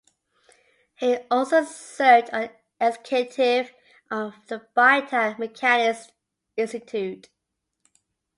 He also served on the executive of the Bytown Mechanics' Institute.